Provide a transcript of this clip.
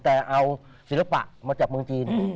แต่เอาศิลปะมาจากเมืองจีน